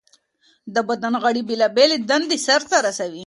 د بدن غړي بېلابېلې دندې سرته رسوي.